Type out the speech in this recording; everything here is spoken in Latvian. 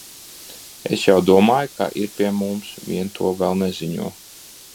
Es jau domāju, ka ir pie mums, vien to vēl neziņo.